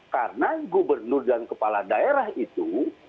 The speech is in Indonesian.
karena gubernur dan kepala daerah itu